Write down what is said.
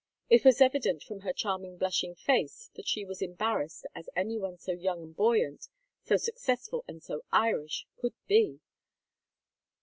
It was evident from her charming blushing face that she was as embarrassed as any one so young and buoyant, so successful and so Irish, could be.